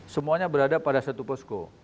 semuanya berada pada satu posko